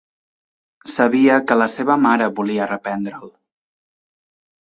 Sabia que la seva mare volia reprendre'l.